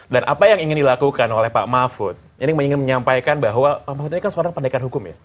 dan apa yang ingin dilakukan oleh pak mahfud ini ingin menyampaikan bahwa pak mahfud ini kan seorang pendekat hukum ya